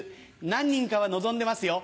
何人かは望んでますよ